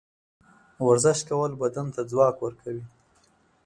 ورزش کول بدن ته ځواک ورکوي.